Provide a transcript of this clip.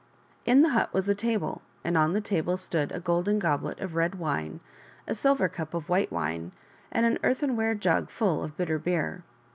In the hut was a table, and on the table stood a golden goblet of red wine, a silver cup of white wine, and an earthenware jug full of bitter beer.